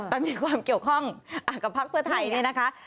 แต่มีความเกี่ยวข้องกับพักเพื่อไทยนี่นะคะ